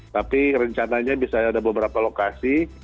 tapi rencananya bisa ada beberapa lokasi